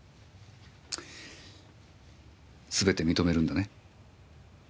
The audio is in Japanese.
すべて認めるんだね？